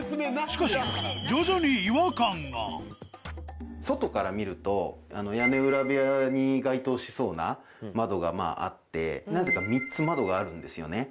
しかし徐々に違和感が外から見ると屋根裏部屋に該当しそうな窓があってなぜか３つ窓があるんですよね。